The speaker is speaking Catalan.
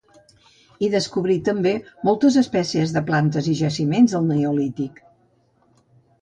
Hi descobrí també moltes espècies de plantes i jaciments del Neolític.